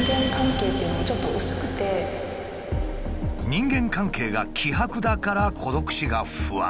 人間関係が希薄だから孤独死が不安？